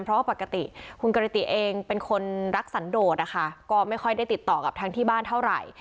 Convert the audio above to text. เพราะว่าปกติคุณกริติเองเป็นคนรักสันโดดนะคะก็ไม่ค่อยได้ติดต่อกับทางที่บ้านเท่าไหร่